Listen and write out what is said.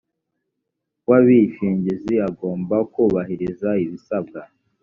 w abishingizi agomba kubahiriza ibisabwa